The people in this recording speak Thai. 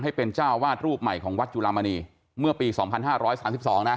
ให้เป็นเจ้าวาดรูปใหม่ของวัดจุลามณีเมื่อปี๒๕๓๒นะ